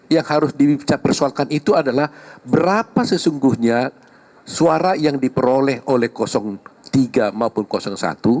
yang harus dipersoalkan itu adalah berapa sesungguhnya suara yang diperoleh oleh tiga maupun satu